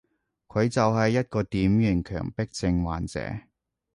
佢就係一個典型強迫症患者